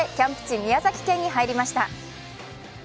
宮崎県に入りました。